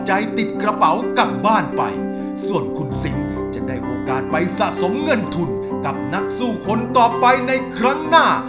จะได้โอกาสไปสะสมเงินทุนกับนักสู้คนต่อไปในครั้งหน้า